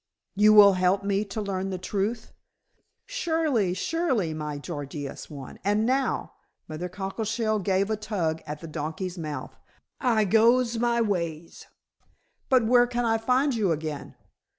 "You will help me to learn the truth?" "Surely! Surely! my Gorgious one. And now," Mother Cockleshell gave a tug at the donkey's mouth, "I goes my ways." "But where can I find you again?"